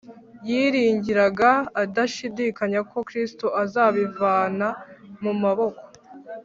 yiringiraga adashidikanya ko kristo azabivana mu maboko